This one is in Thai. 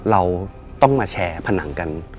เราต้องมาแชร์ผนังกัน